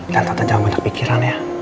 dan tante jangan banyak pikiran ya